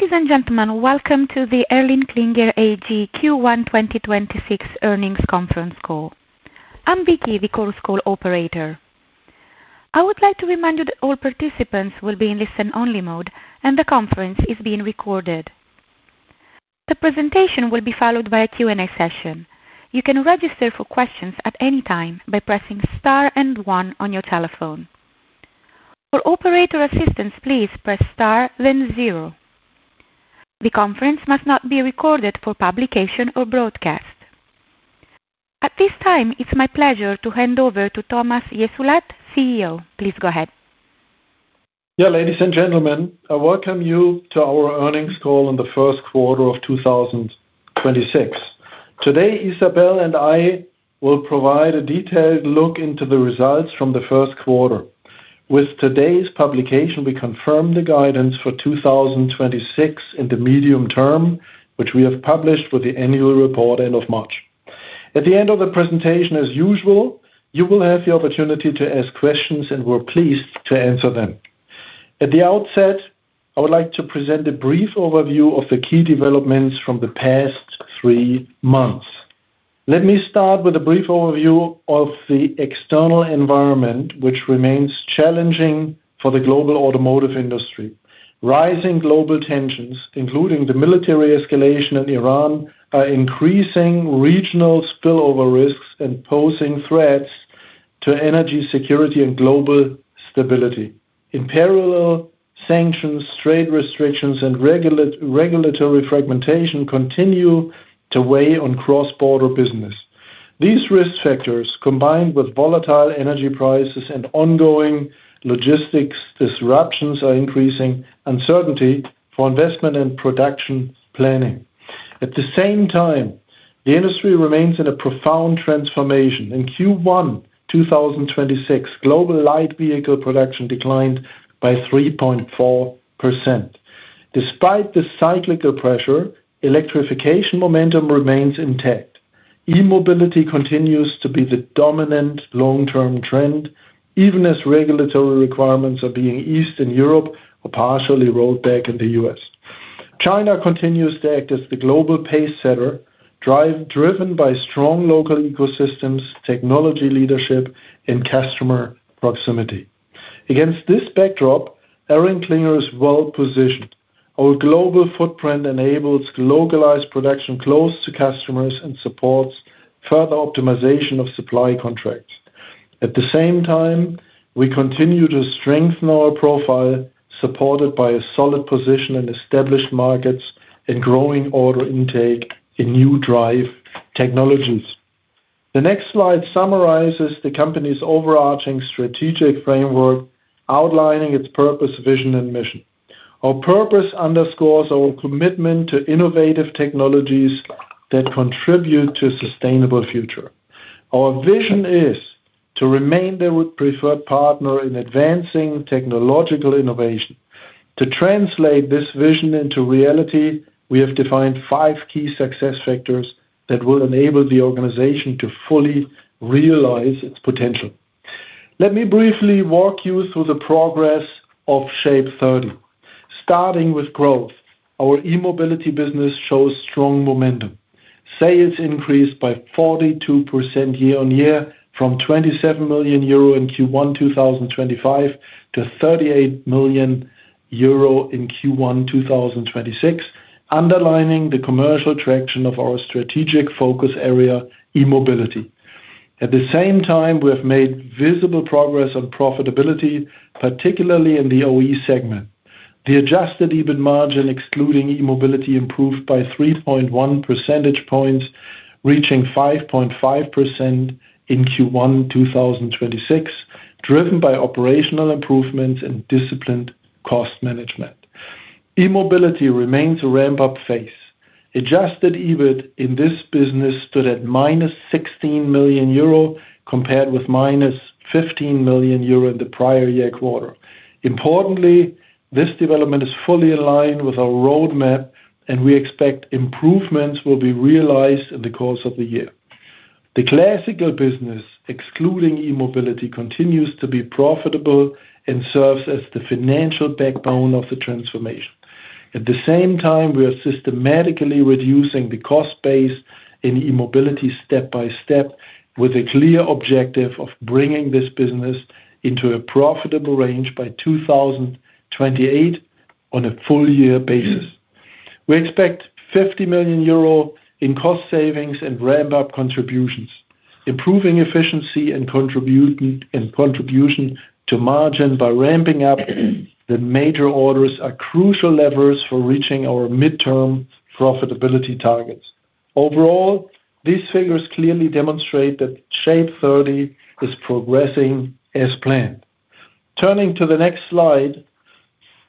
Ladies and gentlemen, welcome to the ElringKlinger AG Q1 2026 earnings conference call. I'm Vicky, the call's call operator. I would like to remind you that all participants will be in listen-only mode, and the conference is being recorded. The presentation will be followed by a Q&A session. You can register for questions at any time by pressing star and one on your telephone. For operator assistance, please press star, then zero. The conference must not be recorded for publication or broadcast. At this time, it's my pleasure to hand over to Thomas Jessulat, CEO. Please go ahead. Ladies and gentlemen, I welcome you to our earnings call on the first quarter of 2026. Today, Isabelle and I will provide a detailed look into the results from the first quarter. With today's publication, we confirm the guidance for 2026 in the medium term, which we have published with the annual report end of March. At the end of the presentation, as usual, you will have the opportunity to ask questions. We're pleased to answer them. At the outset, I would like to present a brief overview of the key developments from the past three months. Let me start with a brief overview of the external environment, which remains challenging for the global automotive industry. Rising global tensions, including the military escalation in Iran, are increasing regional spillover risks and posing threats to energy security and global stability. In parallel, sanctions, trade restrictions, and regulatory fragmentation continue to weigh on cross-border business. These risk factors, combined with volatile energy prices and ongoing logistics disruptions, are increasing uncertainty for investment and production planning. At the same time, the industry remains in a profound transformation. In Q1 2026, global light vehicle production declined by 3.4%. Despite the cyclical pressure, electrification momentum remains intact. E-mobility continues to be the dominant long-term trend, even as regulatory requirements are being eased in Europe or partially rolled back in the U.S. China continues to act as the global pacesetter, driven by strong local ecosystems, technology leadership, and customer proximity. Against this backdrop, ElringKlinger is well-positioned. Our global footprint enables localized production close to customers and supports further optimization of supply contracts. At the same time, we continue to strengthen our profile, supported by a solid position in established markets and growing order intake in new drive technologies. The next slide summarizes the company's overarching strategic framework, outlining its purpose, vision, and mission. Our purpose underscores our commitment to innovative technologies that contribute to a sustainable future. Our vision is to remain the preferred partner in advancing technological innovation. To translate this vision into reality, we have defined five key success factors that will enable the organization to fully realize its potential. Let me briefly walk you through the progress of SHAPE30. Starting with growth, our e-mobility business shows strong momentum. Sales increased by 42% year-on-year from 27 million euro in Q1 2025 to 38 million euro in Q1 2026, underlining the commercial traction of our strategic focus area, e-mobility. At the same time, we have made visible progress on profitability, particularly in the OE segment. The adjusted EBIT margin, excluding e-mobility, improved by 3.1 percentage points, reaching 5.5% in Q1 2026, driven by operational improvements and disciplined cost management. E-mobility remains a ramp-up phase. Adjusted EBIT in this business stood at -16 million euro, compared with -15 million euro in the prior year quarter. Importantly, this development is fully aligned with our roadmap, and we expect improvements will be realized in the course of the year. The classical business, excluding e-mobility, continues to be profitable and serves as the financial backbone of the transformation. At the same time, we are systematically reducing the cost base in e-mobility step by step with a clear objective of bringing this business into a profitable range by 2028 on a full year basis. We expect 50 million euro in cost savings and ramp-up contributions. Improving efficiency and in contribution to margin by ramping up the major orders are crucial levers for reaching our midterm profitability targets. These figures clearly demonstrate that SHAPE30 is progressing as planned. Turning to the next slide,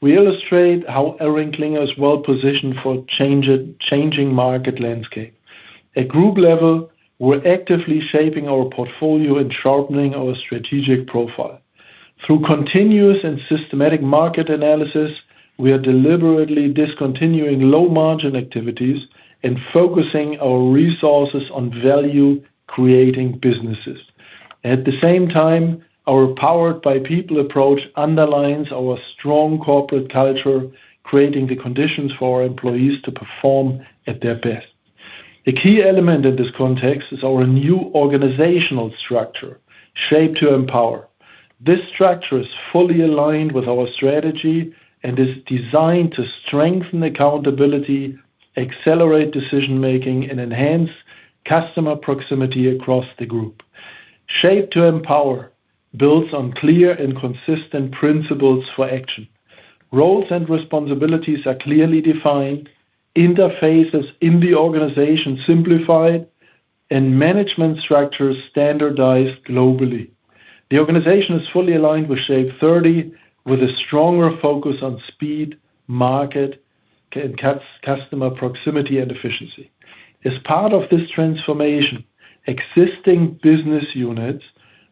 we illustrate how ElringKlinger is well-positioned for changing market landscape. At group level, we're actively shaping our portfolio and sharpening our strategic profile. Through continuous and systematic market analysis, we are deliberately discontinuing low-margin activities and focusing our resources on value-creating businesses. At the same time, our Powered by People approach underlines our strong corporate culture, creating the conditions for our employees to perform at their best. The key element of this context is our new organizational structure, Shaped to Empower. This structure is fully aligned with our strategy and is designed to strengthen accountability, accelerate decision-making, and enhance customer proximity across the group. Shaped to Empower builds on clear and consistent principles for action. Roles and responsibilities are clearly defined, interfaces in the organization simplified, and management structures standardized globally. The organization is fully aligned with SHAPE30, with a stronger focus on speed, market, customer proximity, and efficiency. As part of this transformation, existing business units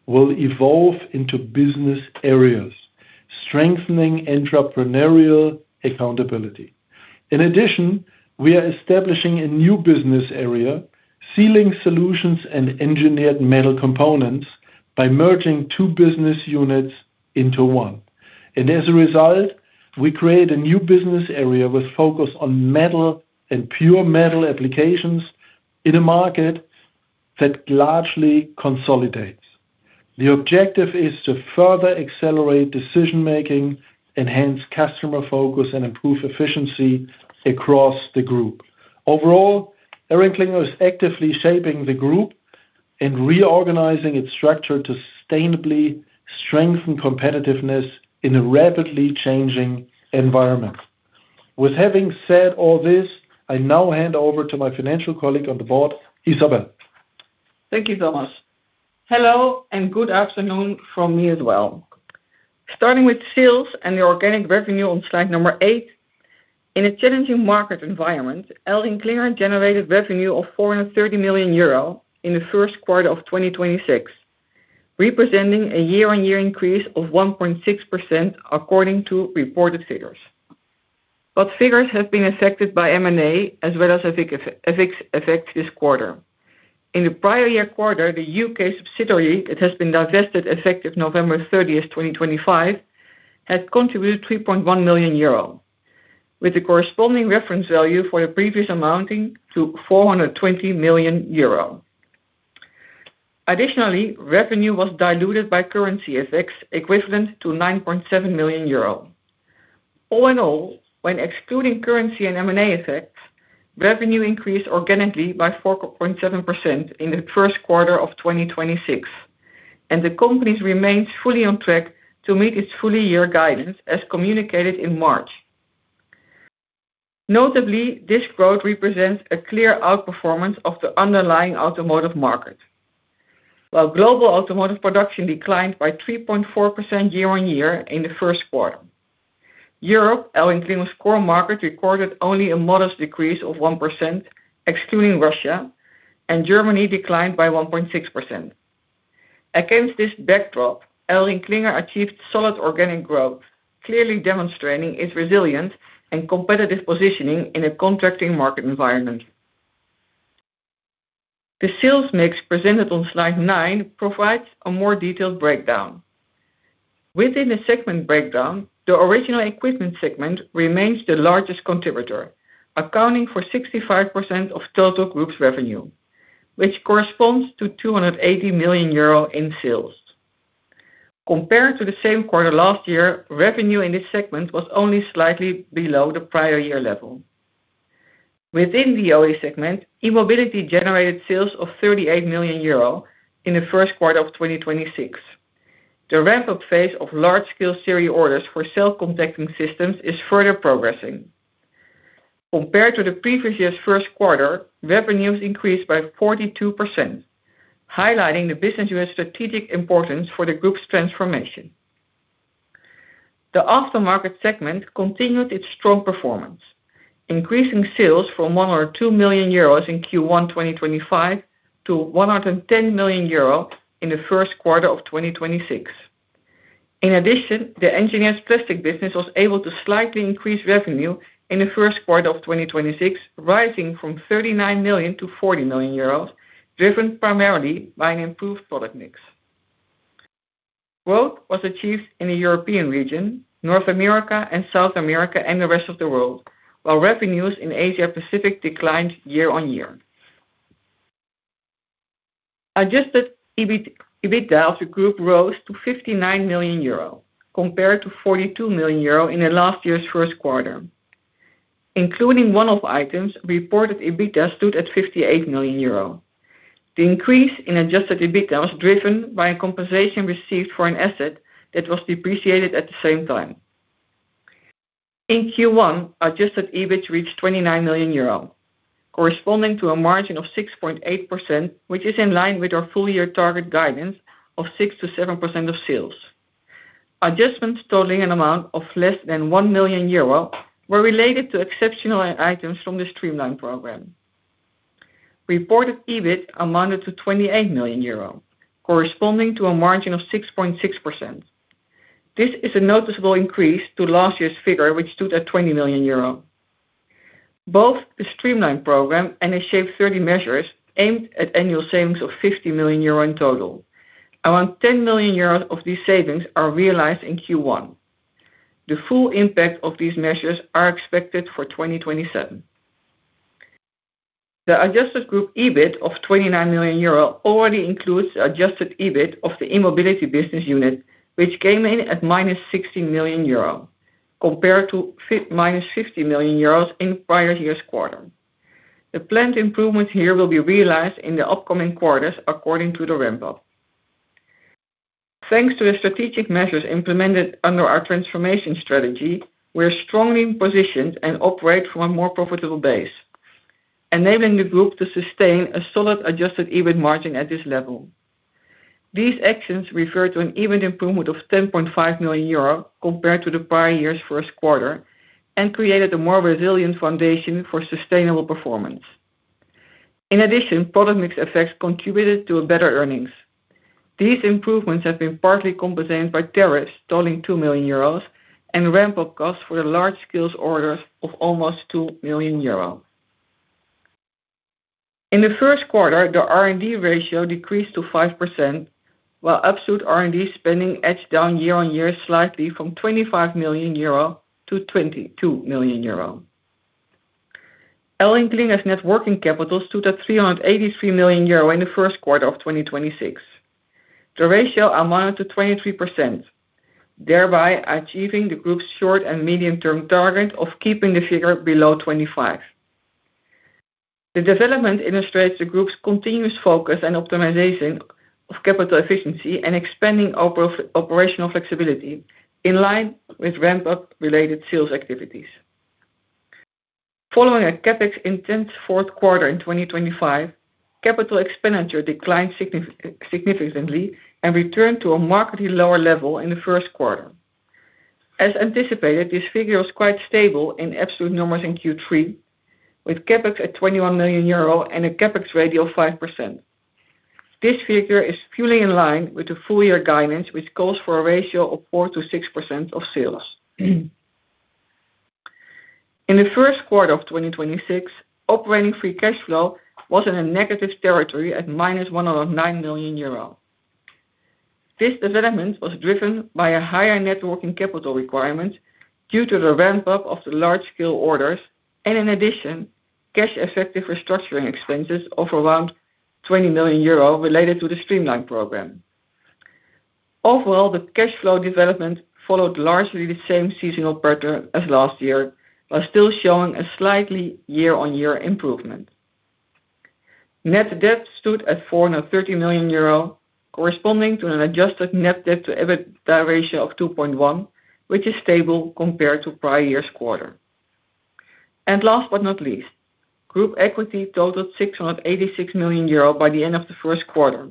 will evolve into business areas, strengthening entrepreneurial accountability. In addition, we are establishing a new business area, Sealing Solutions & Engineered Metal Components, by merging two business units into one. As a result, we create a new business area with focus on metal and pure metal applications in a market that largely consolidates. The objective is to further accelerate decision-making, enhance customer focus, and improve efficiency across the group. Overall, ElringKlinger is actively shaping the group and reorganizing its structure to sustainably strengthen competitiveness in a rapidly changing environment. With having said all this, I now hand over to my financial colleague on the board, Isabelle. Thank you, Thomas. Hello, good afternoon from me as well. Starting with sales and the organic revenue on slide number eight, in a challenging market environment, ElringKlinger generated revenue of 430 million euro in the first quarter of 2026, representing a year-on-year increase of 1.6% according to reported figures. Figures have been affected by M&A as well as effects this quarter. In the prior year quarter, the U.K. subsidiary, it has been divested effective November 30th, 2025, had contributed 3.1 million euro, with the corresponding reference value for the previous amounting to 420 million euro. Additionally, revenue was diluted by currency effects equivalent to 9.7 million euro. All in all, when excluding currency and M&A effects, revenue increased organically by 4.7% in Q1 2026, the company remains fully on track to meet its full year guidance as communicated in March. Notably, this growth represents a clear outperformance of the underlying automotive market. While global automotive production declined by 3.4% year-on-year in Q1, Europe, ElringKlinger's core market, recorded only a modest decrease of 1% excluding Russia, Germany declined by 1.6%. Against this backdrop, ElringKlinger achieved solid organic growth, clearly demonstrating its resilience and competitive positioning in a contracting market environment. The sales mix presented on slide nine provides a more detailed breakdown. Within the segment breakdown, the Original Equipment segment remains the largest contributor, accounting for 65% of total group's revenue, which corresponds to 280 million euro in sales. Compared to the same quarter last year, revenue in this segment was only slightly below the prior year level. Within the OE segment, e-mobility generated sales of 38 million euro in the first quarter of 2026. The ramp-up phase of large scale series orders for cell contacting systems is further progressing. Compared to the previous year's first quarter, revenues increased by 42%, highlighting the business unit's strategic importance for the group's transformation. The Aftermarket segment continued its strong performance, increasing sales from 102 million euros in Q1 2025 to 110 million euro in the first quarter of 2026. In addition, the Engineered Plastics business was able to slightly increase revenue in the first quarter of 2026, rising from 39 million-40 million euros, driven primarily by an improved product mix. Growth was achieved in the European region, North America, and South America, and the rest of the world, while revenues in Asia-Pacific declined year-on-year. Adjusted EBIT, EBITDA of the group rose to 59 million euro, compared to 42 million euro in the last year's first quarter. Including one-off items, reported EBITDA stood at 58 million euro. The increase in adjusted EBITDA was driven by a compensation received for an asset that was depreciated at the same time. In Q1, adjusted EBIT reached 29 million euro, corresponding to a margin of 6.8%, which is in line with our full year target guidance of 6%-7% of sales. Adjustments totaling an amount of less than 1 million euro were related to exceptional items from the STREAMLINE program. Reported EBIT amounted to 28 million euro, corresponding to a margin of 6.6%. This is a noticeable increase to last year's figure, which stood at 20 million euro. Both the STREAMLINE program and the SHAPE30 measures aimed at annual savings of 50 million euro in total. Around 10 million euro of these savings are realized in Q1. The full impact of these measures are expected for 2027. The adjusted group EBIT of 29 million euro already includes adjusted EBIT of the e-mobility business unit, which came in at -60 million euro compared to -50 million euros in prior year's quarter. The planned improvements here will be realized in the upcoming quarters according to the ramp up. Thanks to the strategic measures implemented under our transformation strategy, we're strongly positioned and operate from a more profitable base, enabling the group to sustain a solid adjusted EBIT margin at this level. These actions refer to an EBIT improvement of 10.5 million euro compared to the prior year's first quarter, and created a more resilient foundation for sustainable performance. In addition, product mix effects contributed to better earnings. These improvements have been partly compensated by tariffs totaling 2 million euros and ramp-up costs for the large-scale orders of almost 2 million euros. In the first quarter, the R&D ratio decreased to 5%, while absolute R&D spending edged down year-on-year slightly from 25 million-22 million euro. ElringKlinger's net working capital stood at 383 million euro in the first quarter of 2026. The ratio amounted to 23%, thereby achieving the group's short and medium-term target of keeping the figure below 25%. The development illustrates the group's continuous focus and optimization of capital efficiency and expanding operational flexibility in line with ramp-up related sales activities. Following a CapEx intense fourth quarter in 2025, capital expenditure declined significantly and returned to a markedly lower level in the first quarter. As anticipated, this figure was quite stable in absolute numbers in Q3, with CapEx at 21 million euro and a CapEx ratio of 5%. This figure is fully in line with the full year guidance, which calls for a ratio of 4%-6% of sales. In the first quarter of 2026, operating free cash flow was in a negative territory at -109 million euro. This development was driven by a higher net working capital requirement due to the ramp-up of the large scale orders and in addition, cash effective restructuring expenses of around 20 million euro related to the STREAMLINE program. Overall, the cash flow development followed largely the same seasonal pattern as last year, while still showing a slightly year-on-year improvement. Net debt stood at 430 million euro, corresponding to an adjusted net debt to EBITDA ratio of 2.1, which is stable compared to prior year's quarter. Last but not least, group equity totaled 686 million euro by the end of the first quarter,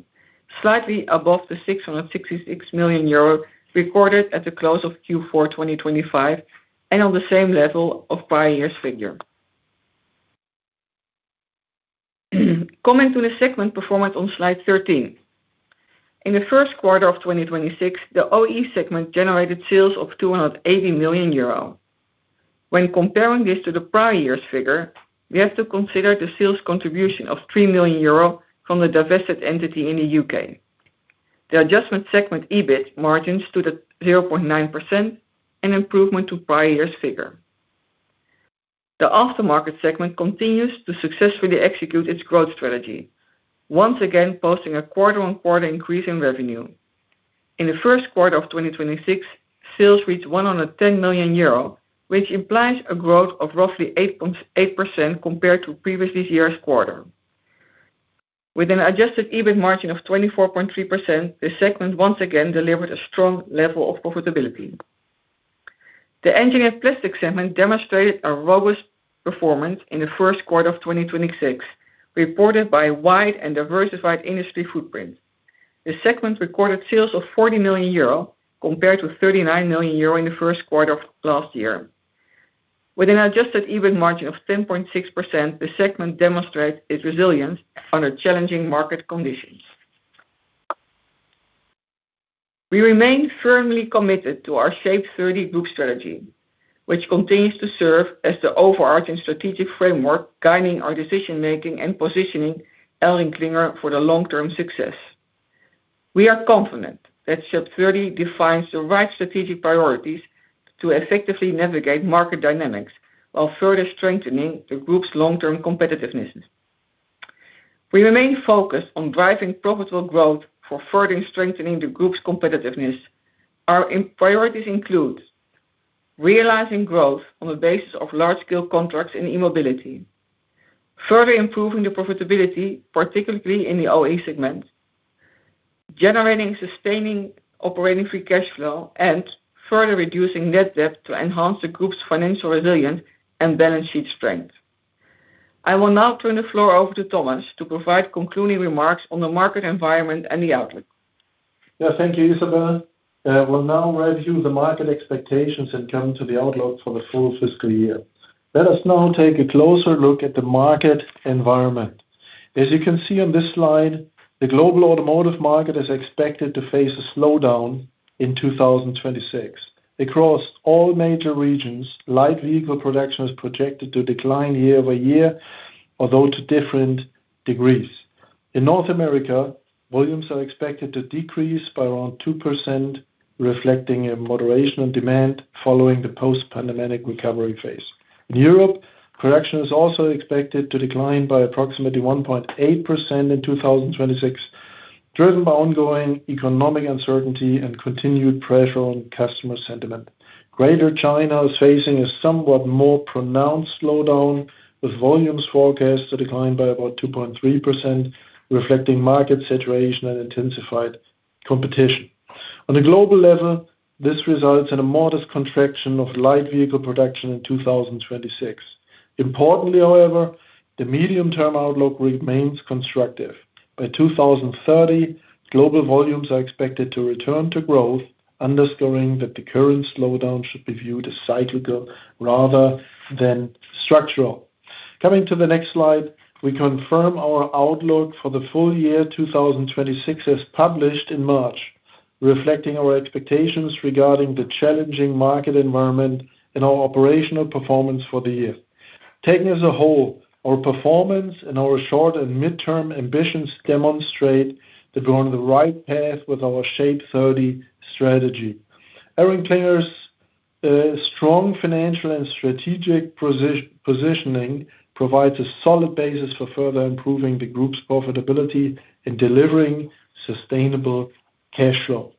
slightly above the 666 million euro recorded at the close of Q4 2025, and on the same level of prior year's figure. Coming to the segment performance on slide 13. In the first quarter of 2026, the OE segment generated sales of 280 million euro. When comparing this to the prior year's figure, we have to consider the sales contribution of 3 million euro from the divested entity in the U.K. The adjustment segment EBIT margin stood at 0.9%, an improvement to prior year's figure. The Aftermarket segment continues to successfully execute its growth strategy, once again posting a quarter-on-quarter increase in revenue. In the first quarter of 2026, sales reached 110 million euro, which implies a growth of roughly 8.8% compared to previous year's quarter. With an adjusted EBIT margin of 24.3%, the segment once again delivered a strong level of profitability. The Engineered Plastics segment demonstrated a robust performance in the first quarter of 2026, reported by a wide and diversified industry footprint. The segment recorded sales of 40 million euro compared to 39 million euro in the first quarter of last year. With an adjusted EBIT margin of 10.6%, the segment demonstrates its resilience under challenging market conditions. We remain firmly committed to our SHAPE30 group strategy, which continues to serve as the overarching strategic framework guiding our decision-making and positioning ElringKlinger for the long-term success. We are confident that SHAPE30 defines the right strategic priorities to effectively navigate market dynamics while further strengthening the group's long-term competitiveness. We remain focused on driving profitable growth for further strengthening the group's competitiveness. Our priorities include realizing growth on the basis of large-scale contracts in e-mobility, further improving the profitability, particularly in the OE segment, generating sustaining operating free cash flow, and further reducing net debt to enhance the group's financial resilience and balance sheet strength. I will now turn the floor over to Thomas to provide concluding remarks on the market environment and the outlook. Thank you, Isabelle. We'll now review the market expectations and come to the outlook for the full fiscal year. Let us now take a closer look at the market environment. As you can see on this slide, the global automotive market is expected to face a slowdown in 2026. Across all major regions, light vehicle production is projected to decline year-over-year, although to different degrees. In North America, volumes are expected to decrease by around 2%, reflecting a moderation on demand following the post-pandemic recovery phase. In Europe, production is also expected to decline by approximately 1.8% in 2026, driven by ongoing economic uncertainty and continued pressure on customer sentiment. Greater China is facing a somewhat more pronounced slowdown, with volumes forecast to decline by about 2.3%, reflecting market saturation and intensified competition. On a global level, this results in a modest contraction of light vehicle production in 2026. Importantly, however, the medium-term outlook remains constructive. By 2030, global volumes are expected to return to growth, underscoring that the current slowdown should be viewed as cyclical rather than structural. Coming to the next slide, we confirm our outlook for the full year 2026 as published in March, reflecting our expectations regarding the challenging market environment and our operational performance for the year. Taken as a whole, our performance and our short and midterm ambitions demonstrate that we're on the right path with our SHAPE30 strategy. ElringKlinger's strong financial and strategic positioning provides a solid basis for further improving the group's profitability in delivering sustainable cash flow.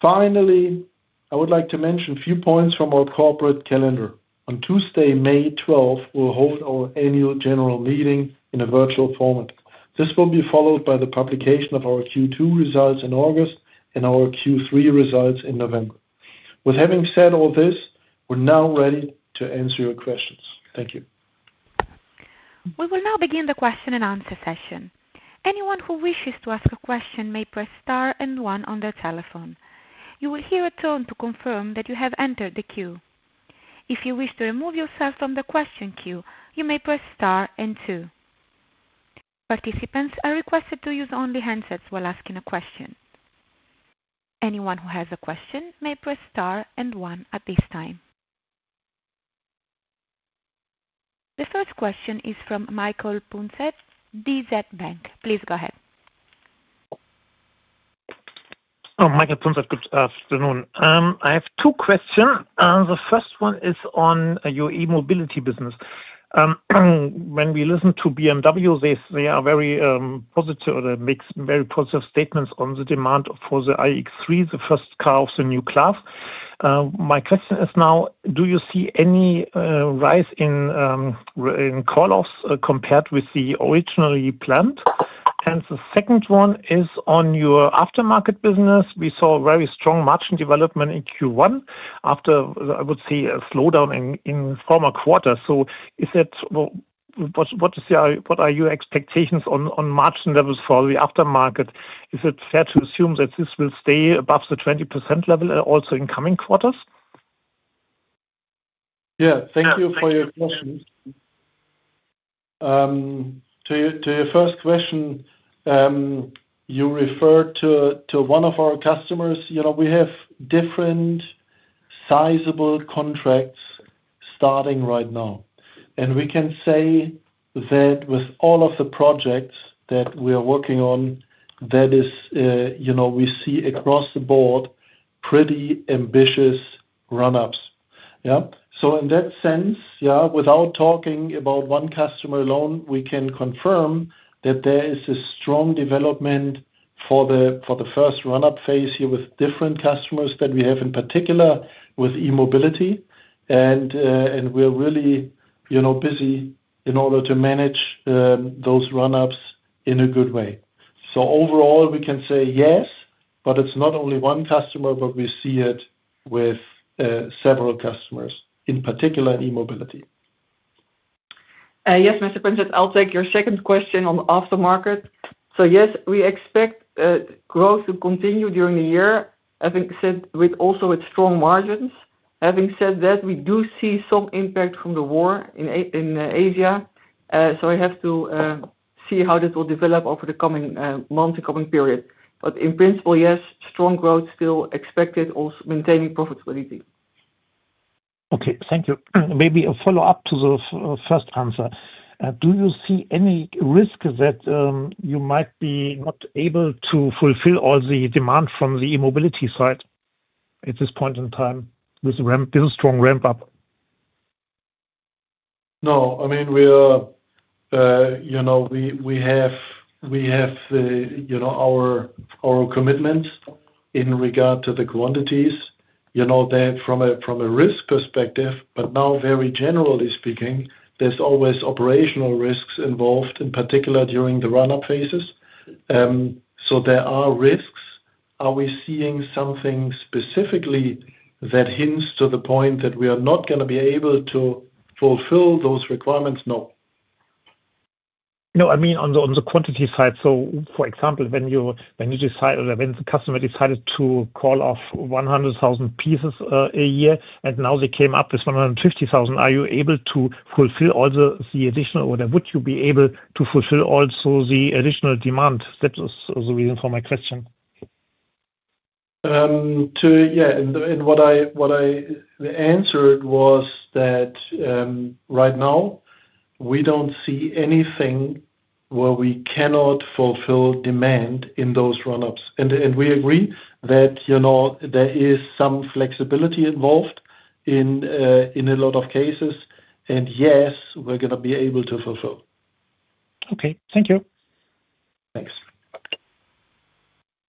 Finally, I would like to mention a few points from our corporate calendar. On Tuesday, May 12th, we'll hold our Annual General Meeting in a virtual format. This will be followed by the publication of our Q2 results in August and our Q3 results in November. With having said all this, we're now ready to answer your questions. Thank you. We will now begin the question-and-answer session. Anyone who wishes to ask a question may press star and one on their telephone. You will hear a tone to confirm that you have entered the queue. If you wish to remove yourself from the question queue, you may press star and two. Participants are requested to use only handsets while asking a question. Anyone who has a question may press star and one at this time. The first question is from Michael Punzet, DZ Bank. Please go ahead. Oh, Michael Punzet, good afternoon. I have two questions. The first one is on your e-mobility business. When we listen to BMW, they are very positive or they make very positive statements on the demand for the iX3, the first car of the Neue Klasse. My question is now, do you see any rise in call-offs compared with the originally planned? The second one is on your Aftermarket business. We saw very strong margin development in Q1 after, I would say, a slowdown in former quarters. What are your expectations on margin levels for the Aftermarket? Is it fair to assume that this will stay above the 20% level and also in coming quarters? Thank you for your questions. To your first question, you referred to one of our customers. You know, we have different sizable contracts starting right now. We can say that with all of the projects that we are working on, that is, you know, we see across the board pretty ambitious run-ups. In that sense, without talking about one customer alone, we can confirm that there is a strong development for the first run-up phase here with different customers that we have, in particular with e-mobility. We're really, you know, busy in order to manage those run-ups in a good way. Overall, we can say yes, but it's not only one customer, but we see it with several customers, in particular in e-mobility. Yes, Mr. Punzet, I'll take your second question on Aftermarket. Yes, we expect growth to continue during the year, having said with also its strong margins. Having said that, we do see some impact from the war in Asia. We have to see how this will develop over the coming months and coming period. In principle, yes, strong growth still expected, also maintaining profitability. Okay. Thank you. Maybe a follow-up to the first answer. Do you see any risk that you might be not able to fulfill all the demand from the e-mobility side at this point in time with this strong ramp-up? No. I mean, we are, you know, we have, you know, our commitments in regard to the quantities. You know that from a risk perspective, but now very generally speaking, there's always operational risks involved, in particular during the run-up phases. There are risks. Are we seeing something specifically that hints to the point that we are not gonna be able to fulfill those requirements? No. No, I mean on the quantity side. For example, when you decide or when the customer decided to call off 100,000 pieces a year, and now they came up with 150,000, are you able to fulfill all the additional order? Would you be able to fulfill also the additional demand? That was the reason for my question. What I answered was that right now we don't see anything where we cannot fulfill demand in those run-ups. We agree that, you know, there is some flexibility involved in a lot of cases. Yes, we're gonna be able to fulfill. Okay. Thank you. Thanks.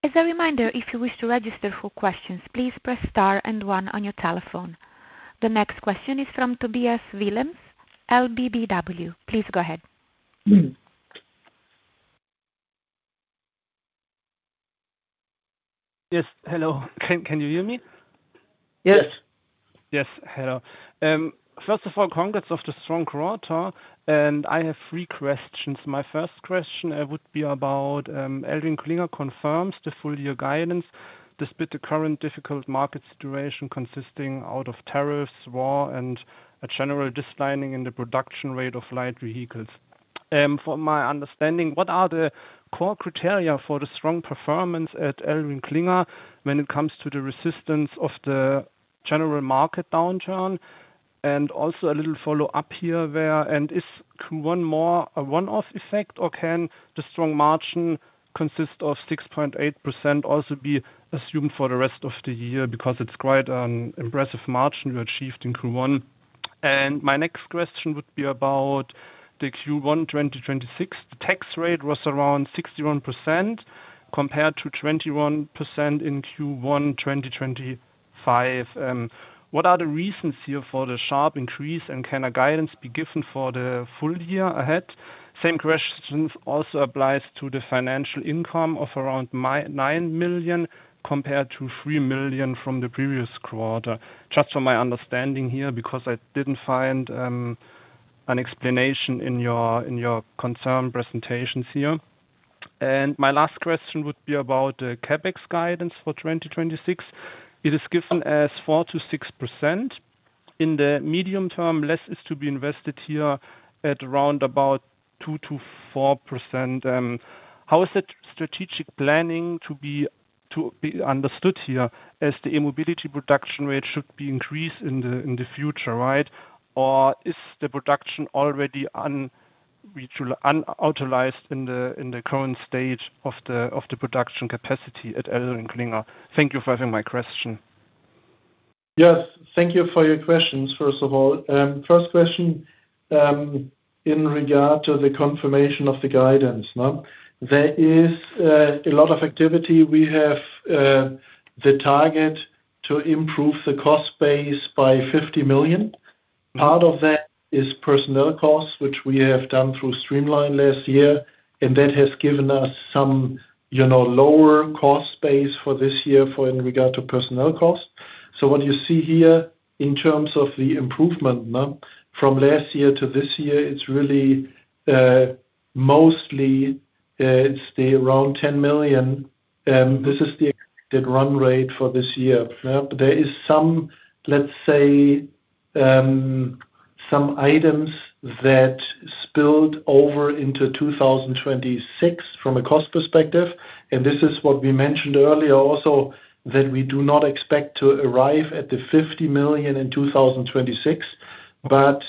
As a reminder, if you wish to register for questions, please press star and one on your telephone. The next question is from Tobias Willems, LBBW. Please go ahead. Yes. Hello. Can you hear me? Yes. Yes. Hello. First of all, congrats on the strong quarter, I have three questions. My first question would be about ElringKlinger confirms the full year guidance despite the current difficult market situation consisting out of tariffs, war, and a general declining in the production rate of light vehicles. From my understanding, what are the core criteria for the strong performance at ElringKlinger when it comes to the resistance of the general market downturn? Also a little follow-up here, whether it is a one-off effect or can the strong margin of 6.8% also be assumed for the rest of the year? It's quite an impressive margin you achieved in Q1. My next question would be about the Q1 2026. The tax rate was around 61% compared to 21% in Q1 2025. What are the reasons here for the sharp increase? Can a guidance be given for the full year ahead? Same questions also applies to the financial income of around 9 million compared to 3 million from the previous quarter. Just from my understanding here, because I didn't find an explanation in your, in your concerned presentations here. My last question would be about the CapEx guidance for 2026. It is given as 4%-6%. In the medium term, less is to be invested here at around about 2%-4%. How is that strategic planning to be understood here as the e-mobility production rate should be increased in the future, right? Is the production already unutilized in the current stage of the production capacity at ElringKlinger? Thank you for having my question. Yes. Thank you for your questions, first of all. First question, in regard to the confirmation of the guidance? There is a lot of activity. We have the target to improve the cost base by 50 million. Part of that is personnel costs, which we have done through STREAMLINE last year, and that has given us some, you know, lower cost base for this year for in regard to personnel costs. What you see here in terms of the improvement, from last year to this year, it's really mostly, it's the around 10 million. This is the expected run rate for this year. There is some, let's say, some items that spilled over into 2026 from a cost perspective, and this is what we mentioned earlier also, that we do not expect to arrive at the 50 million in 2026. To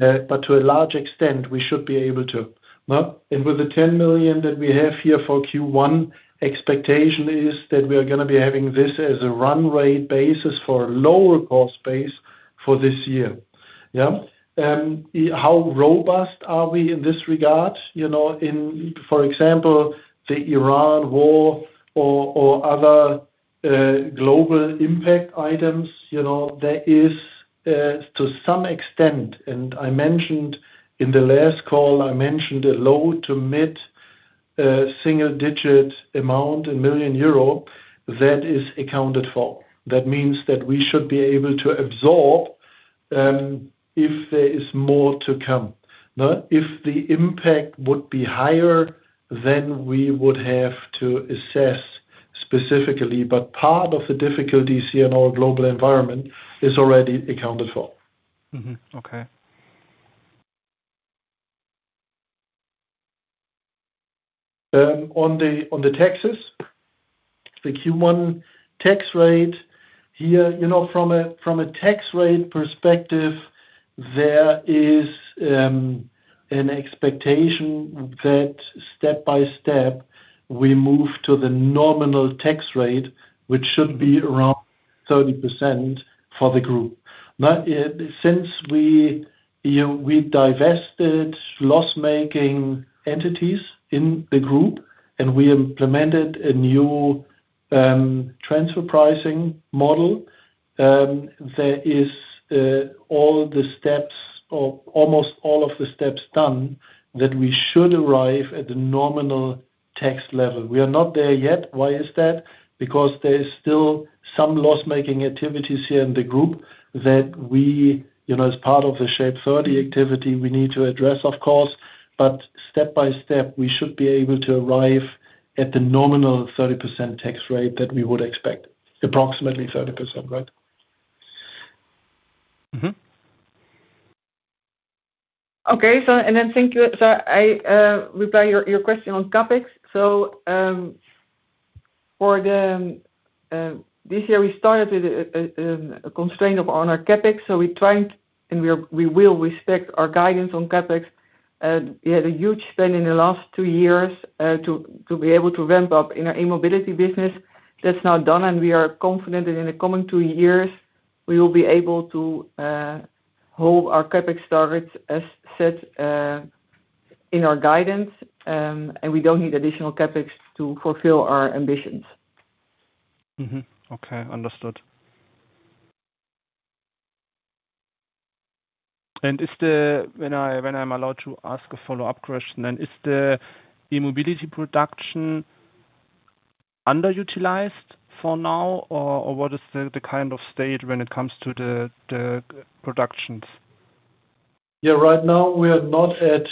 a large extent, we should be able to. With the 10 million that we have here for Q1, expectation is that we are gonna be having this as a run rate basis for lower cost base for this year. Yeah. How robust are we in this regard? You know, in, for example, the Iran war or other global impact items. You know, there is to some extent, and I mentioned in the last call, I mentioned a low to mid single-digit amount in 1 million euro that is accounted for. That means that we should be able to absorb, if there is more to come. If the impact would be higher, then we would have to assess specifically. Part of the difficulties here in our global environment is already accounted for. Mm-hmm. Okay. On the, on the taxes, the Q1 tax rate here, you know, from a, from a tax rate perspective, there is an expectation that step by step we move to the nominal tax rate, which should be around 30% for the group. Since we, you know, we divested loss-making entities in the group, and we implemented a new transfer pricing model, there is all the steps or almost all of the steps done that we should arrive at the nominal tax level. We are not there yet. Why is that? Because there is still some loss-making activities here in the group that we, you know, as part of the SHAPE30 activity we need to address of course. Step by step, we should be able to arrive at the nominal 30% tax rate that we would expect. Approximately 30%, right? Okay. Thank you. I reply your question on CapEx. For the this year we started a constraint of on our CapEx, we tried and we will respect our guidance on CapEx. We had a huge spend in the last two years to be able to ramp up in our e-mobility business. That's now done, and we are confident that in the coming two years we will be able to hold our CapEx targets as set in our guidance, and we don't need additional CapEx to fulfill our ambitions. Mm-hmm. Okay. Understood. Is the When I'm allowed to ask a follow-up question, then is the e-mobility production underutilized for now? Or what is the kind of state when it comes to the productions? Yeah. Right now we are not at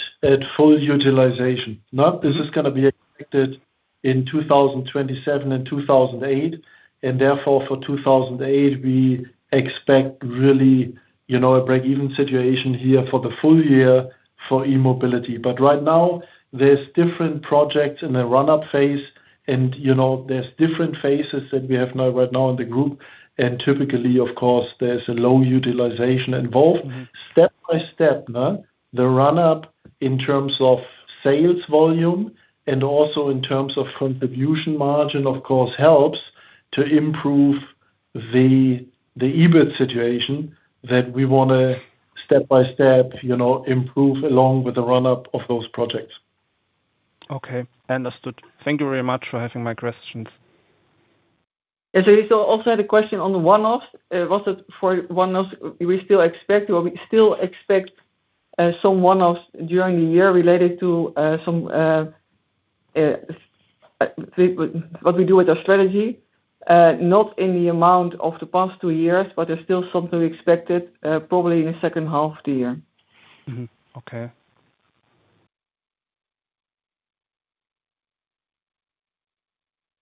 full utilization. Not this is going to be expected in 2027 and 2028, and therefore for 2028 we expect really, you know, a break-even situation here for the full year for e-mobility. Right now there's different projects in the run-up phase and, you know, there's different phases that we have now, right now in the group, and typically, of course, there's a low utilization involved. Step by step, the run-up in terms of sales volume and also in terms of contribution margin, of course, helps to improve the EBIT situation that we wanna step by step, you know, improve along with the run-up of those projects. Understood. Thank you very much for having my questions. You still also had a question on the one-offs. We still expect some one-offs during the year related to some what we do with our strategy, not in the amount of the past two years, but there's still something expected probably in the second half of the year. Mm-hmm. Okay.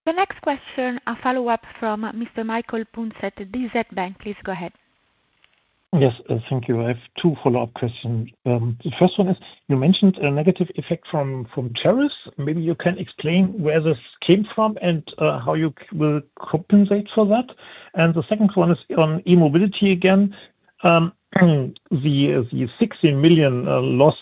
The next question, a follow-up from Mr. Michael Punzet at DZ Bank. Please go ahead. Yes. Thank you. I have two follow-up questions. The first one is, you mentioned a negative effect from tariffs. Maybe you can explain where this came from and how you will compensate for that. The second one is on e-mobility again. The 60 million loss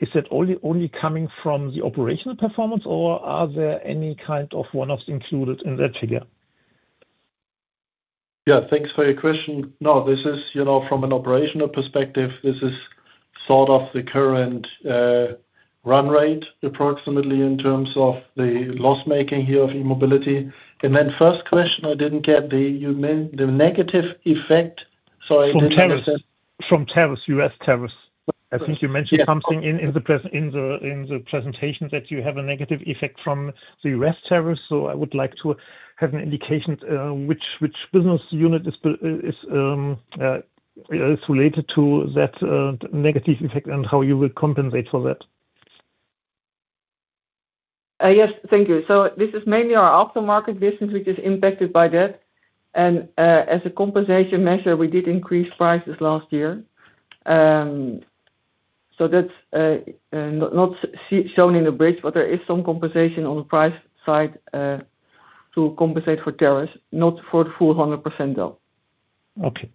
is it only coming from the operational performance? Or are there any kind of one-offs included in that figure? Yeah. Thanks for your question. No, this is, you know, from an operational perspective, this is sort of the current run rate approximately in terms of the loss making here of e-mobility. First question I didn't get. You meant the negative effect. I didn't get that. From tariffs. From tariffs. U.S. tariffs. Oh, yes. I think you mentioned something in the presentation that you have a negative effect from the U.S. tariffs. I would like to have an indication, which business unit is related to that negative effect and how you will compensate for that? Yes. Thank you. This is mainly our Aftermarket business which is impacted by that. As a compensation measure, we did increase prices last year. That's not shown in the bridge, but there is some compensation on the price side to compensate for tariffs, not for the full 100% though. Okay.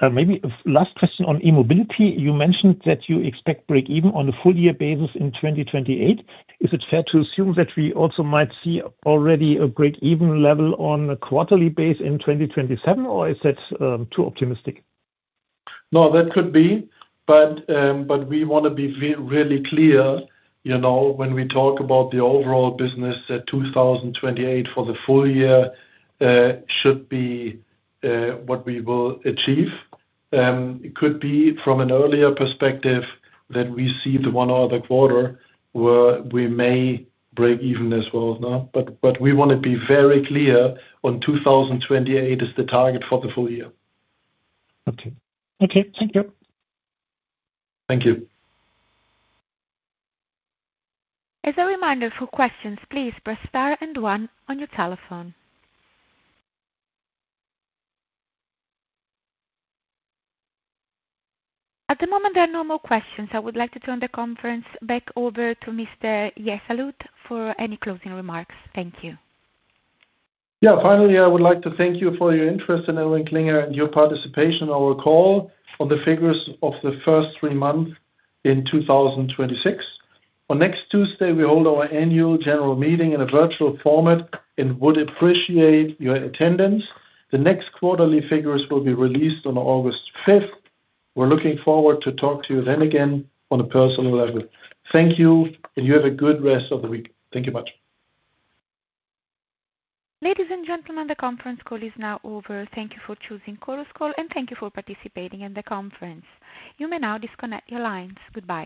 Maybe a last question on e-mobility. You mentioned that you expect break-even on a full year basis in 2028. Is it fair to assume that we also might see already a break-even level on a quarterly base in 2027, or is that too optimistic? No, that could be. We wanna be really clear, you know, when we talk about the overall business that 2028 for the full year should be what we will achieve. It could be from an earlier perspective that we see the one other quarter where we may break even as well now. We wanna be very clear on 2028 is the target for the full year. Okay. Okay. Thank you. Thank you. As a reminder, for questions, please press star and one on your telephone. At the moment, there are no more questions. I would like to turn the conference back over to Mr. Jessulat for any closing remarks. Thank you. Yeah. Finally, I would like to thank you for your interest in ElringKlinger and your participation on our call on the figures of the first three months in 2026. Next Tuesday, we hold our Annual General Meeting in a virtual format and would appreciate your attendance. The next quarterly figures will be released on August 5th. We're looking forward to talk to you then again on a personal level. Thank you, and you have a good rest of the week. Thank you much. Ladies and gentlemen, the conference call is now over. Thank you for choosing Chorus Call, and thank you for participating in the conference. You may now disconnect your lines. Goodbye